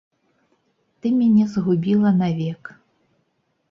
Ты мяне згубіла навек.